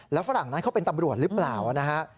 แล้วฝรั่งนั้นเขาเป็นตำรวจหรือเปล่านะฮะ